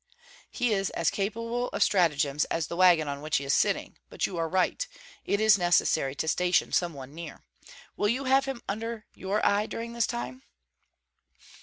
"He is as capable of stratagems as the wagon on which he is sitting. But you are right; it is necessary to station some one near. Will you have him under your eye during this time?"